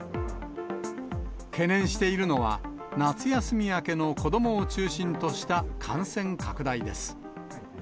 懸念しているのは、夏休み明けの子どもを中心とした感染拡大です。